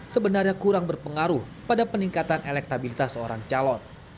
sebenarnya kurang berpengaruh pada peningkatan elektabilitas seorang calon